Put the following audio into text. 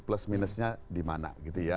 plus minusnya dimana gitu ya